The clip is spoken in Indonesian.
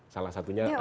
salah satu hal